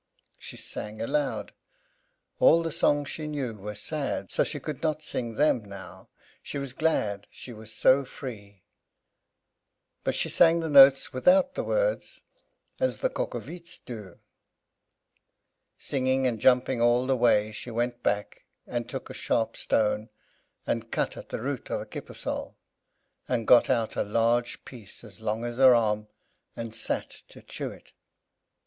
She sang aloud. All the songs she knew were sad, so she could not sing them now, she was glad, she was so free; but she sang the notes without the words, as the cock o veets do. Singing and jumping all the way, she went back, and took a sharp stone, and cut at the root of a kippersol, and got out a large piece, as long as her arm, and sat to chew it.